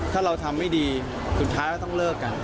ถ้าเราทำไม่ดีสุดท้ายก็ต้องเลิกกัน